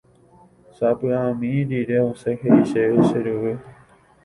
Sapy'ami rire osẽ he'i chéve che ryvy.